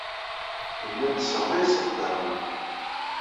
Nella nesseɣlay s leqder-nneɣ.